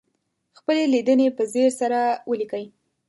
خپلې لیدنې په ځیر سره ولیکئ.